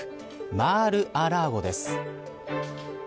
マール・ア・ラーゴです。